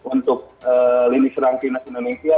untuk linis rangkai nasional indonesia